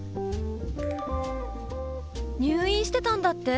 入院してたんだって？